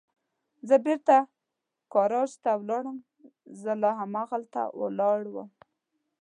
زه بېرته ګاراج ته ولاړم، زه لا همالته ولاړ ووم.